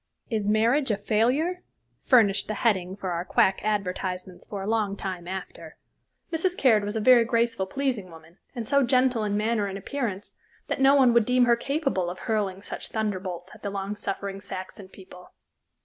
"Is Marriage a Failure?" furnished the heading for our quack advertisements for a long time after. Mrs. Caird was a very graceful, pleasing woman, and so gentle in manner and appearance that no one would deem her capable of hurling such thunderbolts at the long suffering Saxon people.